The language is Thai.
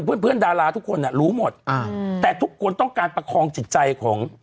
เพื่อนเพื่อนดาราทุกคนอ่ะรู้หมดอ่าแต่ทุกคนต้องการประคองจิตใจของ